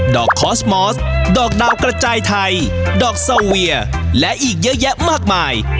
คอสมอสดอกดาวกระจายไทยดอกซาเวียและอีกเยอะแยะมากมาย